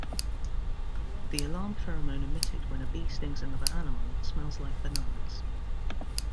The alarm pheromone emitted when a bee stings another animal smells like bananas.